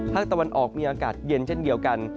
ภาคตะวันออกมีอากาศเย็นเช่นเดียวกัน